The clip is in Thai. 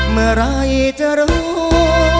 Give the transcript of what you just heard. เมื่อไหร่จะรู้